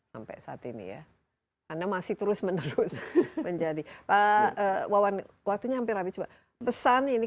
sampai saat ini ya anda masih terus menerus menjadi pak wawan waktunya hampir habis pesan ini